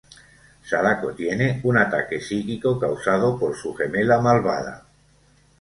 Sadako tiene un ataque psíquico causado por su gemela malvada.